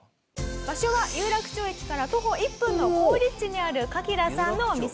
「場所は有楽町駅から徒歩１分の好立地にあるカキダさんのお店」